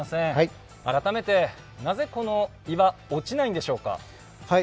改めて、なぜこの岩、落ちないんでしょうか？